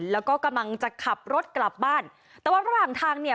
แล้วก็กำลังจะขับรถกลับบ้านแต่ว่าระหว่างทางเนี่ย